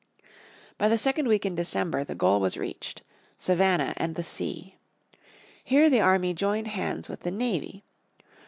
By the second week in December the goal was reached Savannah and the sea. Here the army joined hands with the navy.